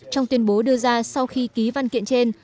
trong tuyên bố đưa ra sau khi ký văn kiện trên